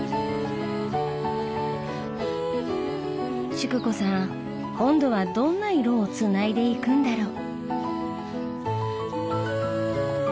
淑子さん今度はどんな色をつないでいくんだろう。